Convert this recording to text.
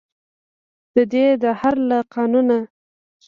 ددې دهر له قانونه.